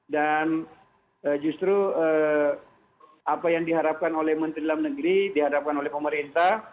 dan justru apa yang diharapkan oleh menteri dalam negeri diharapkan oleh pemerintah